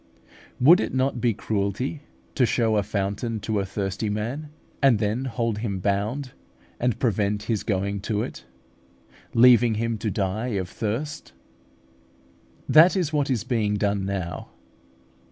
Would it not be cruelty to show a fountain to a thirsty man, and then hold him bound, and prevent his going to it, leaving him to die of thirst? That is what is being done now.